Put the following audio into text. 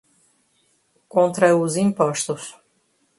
Contra os Impostos